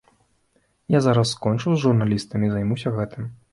Я зараз скончу з журналістамі і займаюся гэтым.